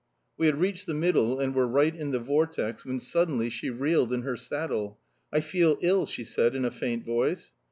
We had reached the middle and were right in the vortex, when suddenly she reeled in her saddle. "I feel ill!" she said in a faint voice.